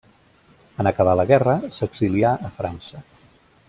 En acabar la guerra, s'exilià a França.